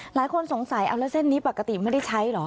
หลายคนสงสัยเอาแล้วเส้นนี้ปกติไม่ได้ใช้เหรอ